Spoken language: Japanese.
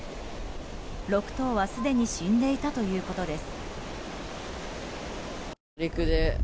６頭はすでに死んでいたということです。